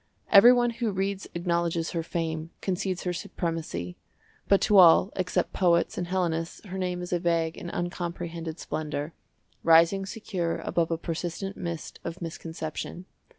Every one who reads acknowledges her fame, concedes her supremacy; but to all except poets and Hellenists her name is a vague and uncomprehended splendour, rising secure above a persistent mist of misconception.